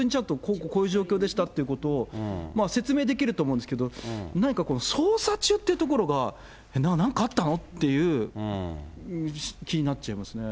こうこういう状況でしたというのを説明できると思うんですけれども、何かこの捜査中っていうところが、なんかあったの？っていう、気になっちゃいますね。